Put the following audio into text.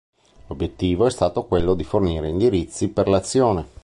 L'obiettivo è stato quello di fornire indirizzi per l'azione.